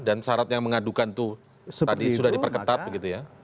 dan syarat yang mengadukan itu tadi sudah diperketat begitu ya